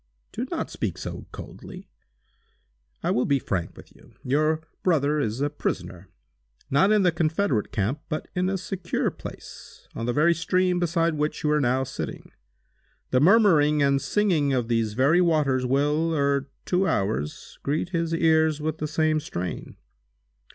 "Do not speak so coldly. I will be frank with you. Your brother is a prisoner—not in the Confederate camp, but in a secure place, on the very stream beside which you are now sitting. The murmuring and singing of these very waters will, ere two hours, greet his ears with the same strain.